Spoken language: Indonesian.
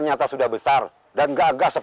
apakah kau sudah mengeritakan apa yang aku katakan